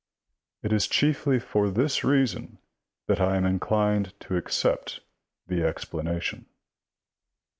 It is chiefly for this reason that I am inclined to accept the explanation.